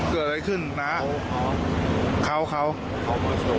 เกิดอะไรขึ้นนะเขาเขามาโชว์